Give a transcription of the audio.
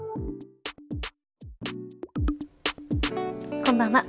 こんばんは。